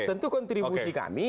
tentu kontribusi kami